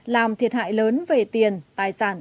làm thiệt hại lớn về tiền tài sản